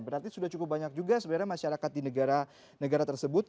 berarti sudah cukup banyak juga sebenarnya masyarakat di negara negara tersebut